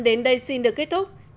đến đây xin được kết thúc